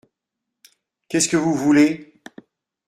Qu’est-ce que vous voulez ?